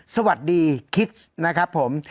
สวัสดีคิสนะครับผม